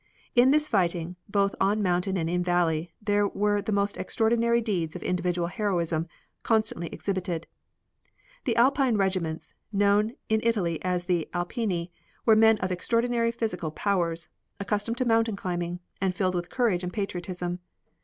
In this fighting, both on mountain and in valley, there were the most extraordinary deeds of individual heroism, constantly exhibited. The Alpine regiments, known in Italy as the Alpini, were men of extraordinary physical powers, accustomed to mountain climbing, and filled with courage and patriotism.